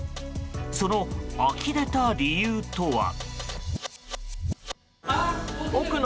そのあきれた理由とは。